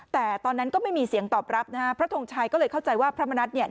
แต่ตอนนั้นก็ไม่มีเสียงตอบรับนะฮะพระทงชัยก็เลยเข้าใจว่าพระมณัฐเนี่ย